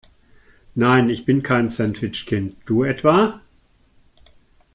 Nein, ich bin kein Sandwich-Kind. Du etwa?